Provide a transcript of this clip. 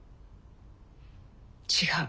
違う。